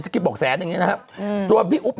นางกายเขาไม่แข็งแรงเป็นทุนเดิมอยู่แล้ว